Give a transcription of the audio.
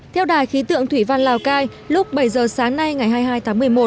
theo đài khí tượng thủy văn lào cai lúc bảy giờ sáng nay ngày hai mươi hai tháng một mươi một